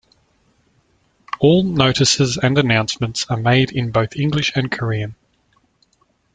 All notices and announcements are made in both English and Korean.